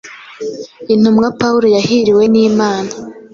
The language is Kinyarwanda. Intumwa Pawulo yahiriwe n’Imana,